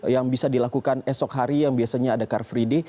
yang bisa dilakukan esok hari yang biasanya ada car free day